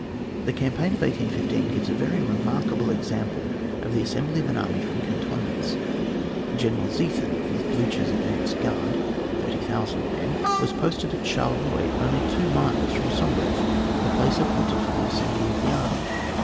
The campaign of 1815 gives a yery remarkable example of the assembly of an army from cantonments. General Ziethen, with Bliicher's advanced guard, 30,000 men, was posted at Charleroi, only two miles from Sombreff, the place ap pointed for the assembly of the army.